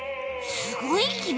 すごい牙！